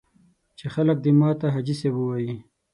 چې خلک دې ماته حاجي صاحب ووایي.